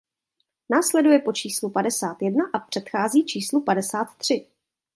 Následuje po číslu padesát jedna a předchází číslu padesát tři.